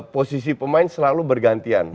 posisi pemain selalu bergantian